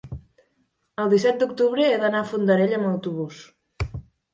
el disset d'octubre he d'anar a Fondarella amb autobús.